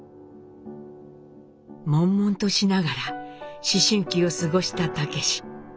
悶々としながら思春期を過ごした武司。